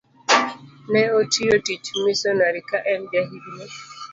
Ne otiyo tij misonari ka en jahigni